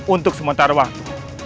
untuk sementara waktu